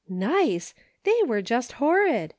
" Nice ! They were just horrid